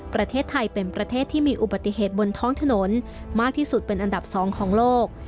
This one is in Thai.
ประเทศไทยเป็นประเทศที่มีอุบัติเหตุบนท้องถนนมากที่สุดเป็นอันดับ๒ของโลก